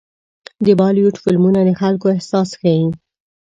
د بالیووډ فلمونه د خلکو احساس ښيي.